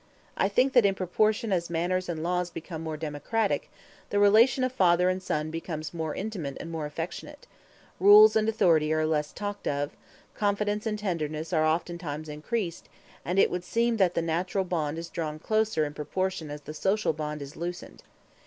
I think that, in proportion as manners and laws become more democratic, the relation of father and son becomes more intimate and more affectionate; rules and authority are less talked of; confidence and tenderness are oftentimes increased, and it would seem that the natural bond is drawn closer in proportion as the social bond is loosened.